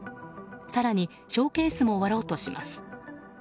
更に、ショーケースも割ろうとします。